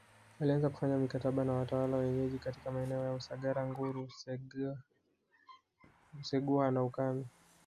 Alianza kufanya mikataba na watawala wenyeji katika maeneo ya Usagara Nguru Useguha na Ukami